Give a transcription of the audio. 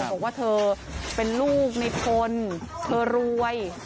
บอกว่าเธอเป็นลูกในพลเธอรวย